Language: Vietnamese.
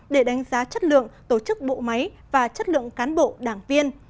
để đánh giá chất lượng tổ chức bộ máy và chất lượng cán bộ đảng viên